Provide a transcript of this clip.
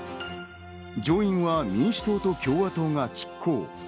上院は民主党と共和党が拮抗。